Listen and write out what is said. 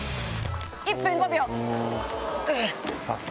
１分５秒！